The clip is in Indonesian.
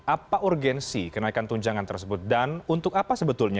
apa urgensi kenaikan tunjangan tersebut dan untuk apa sebetulnya